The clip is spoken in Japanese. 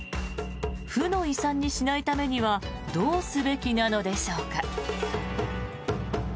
負の遺産にしないためにはどうすべきなのでしょうか。